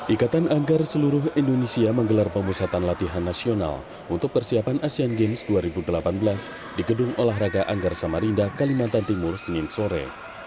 ikatan anggar seluruh indonesia menggelar pemusatan latihan nasional untuk persiapan asean games dua ribu delapan belas di gedung olahraga anggar samarinda kalimantan timur senin sore